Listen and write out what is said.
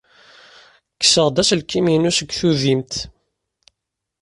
Kkseɣ-d aselkim-inu seg tuddimt.